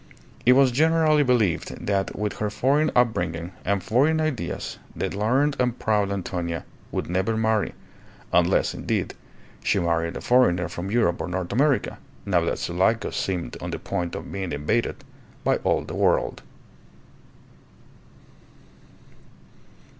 It was generally believed that with her foreign upbringing and foreign ideas the learned and proud Antonia would never marry unless, indeed, she married a foreigner from Europe or North America, now that Sulaco seemed on the point of being invaded by all the world.